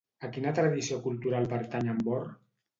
A quina tradició cultural pertany en Borr?